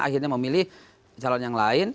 akhirnya memilih calon yang lain